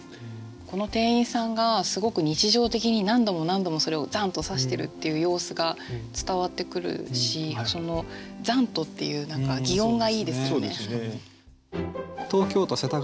この店員さんがすごく日常的に何度も何度もそれをざんと刺してるっていう様子が伝わってくるし「ざんと」っていう擬音がいいですよね。